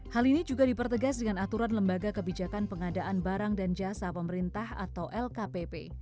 hal ini juga dipertegas dengan aturan lembaga kebijakan pengadaan barang dan jasa pemerintah atau lkpp